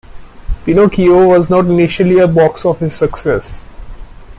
"Pinocchio" was not initially a box office success.